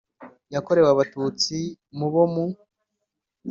yakorewe Abatutsi mu bo mu